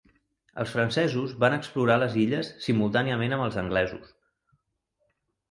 Els francesos van explorar les illes simultàniament amb els anglesos.